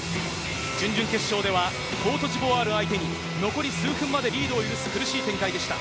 準々決勝では、コートジボワール相手に、残り数分までリードを許す苦しい展開でした。